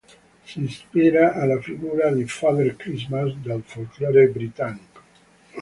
Si ispira alla figura di Father Christmas del folklore britannico.